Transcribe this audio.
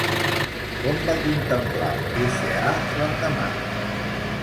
Com va contemplar l'oceà l'endemà?